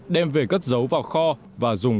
đem về cất dấu vào kho và dùng